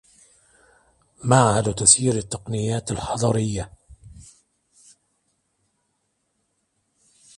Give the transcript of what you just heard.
معهد تسيير التقنيات الحضرية